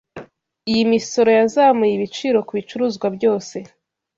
Iyi misoro yazamuye ibiciro kubicuruzwa byose.